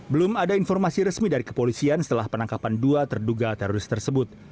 belum ada informasi resmi dari kepolisian setelah penangkapan dua terduga teroris tersebut